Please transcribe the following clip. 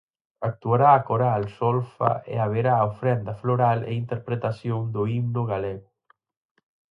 Actuará a coral Solfa e haberá ofrenda floral e interpretación do Himno Galego.